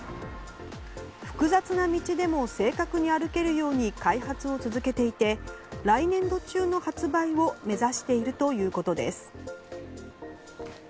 複雑な道でも正確に歩けるように開発を続けていて来年度中の発売を目指しているということです。